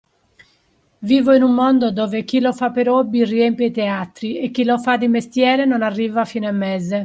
Vivo in un mondo dove chi lo fa per hobby riempie i teatri e chi lo fa di mestiere non arriva a fine mese.